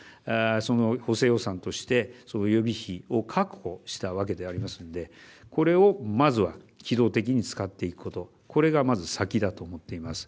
その補正予算として予備費を確保したわけでありますんでこれをまずは機動的に使っていくことこれがまず先だと思っています。